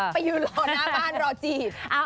ไปยืนรอหน้าบ้านรอจีบ